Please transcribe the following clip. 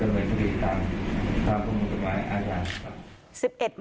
เจ้าหน้าที่เขามีหลักฐานเขาก็จะดำเนินผลิตตามความความคุ้มคุ้มมาให้อาจารย์